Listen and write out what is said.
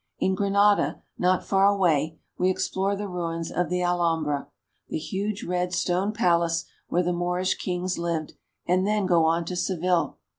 In Granada, not far away, we explore the ruins of the Alhambra, the huge red stone pal ace where the Moorish kings lived, and then go on to Seville.